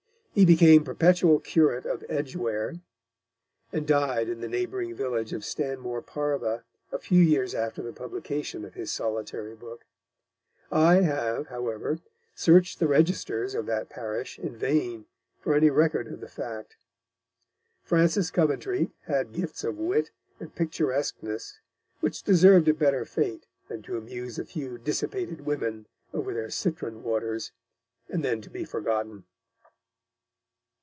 He became perpetual curate of Edgware, and died in the neighbouring village of Stanmore Parva a few years after the publication of his solitary book; I have, however, searched the registers of that parish in vain for any record of the fact. Francis Coventry had gifts of wit and picturesqueness which deserved a better fate than to amuse a few dissipated women over their citron waters, and then to be forgotten.